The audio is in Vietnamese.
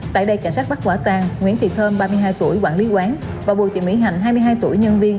tại đây cảnh sát bắt quả tàn nguyễn thị thơm ba mươi hai tuổi quản lý quán và bùi thị mỹ hạnh hai mươi hai tuổi nhân viên